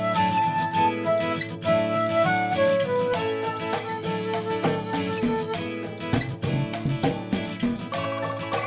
nah lihat dia